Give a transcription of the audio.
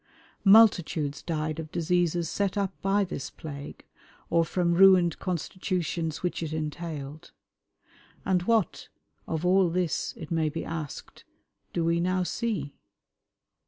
Multitudes died of diseases set up by this plague, or from ruined constitutions which it entailed. And what, of all this, it may be asked, do we now see?